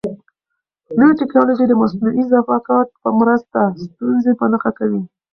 نوې تکنالوژي د مصنوعي ذکاوت په مرسته ستونزې په نښه کوي.